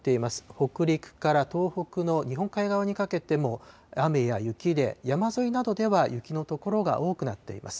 北陸から東北の日本海側にかけても、雨や雪で山沿いなどでは雪の所が多くなっています。